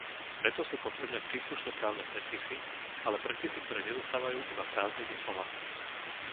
Preto sú potrebné príslušné právne predpisy, ale predpisy, ktoré nezostávajú iba prázdnymi slovami.